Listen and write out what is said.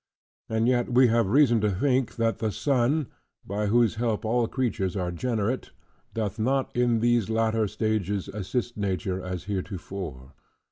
And yet we have reason to think, that the sun, by whose help all creatures are generate, doth not in these latter ages assist nature, as heretofore.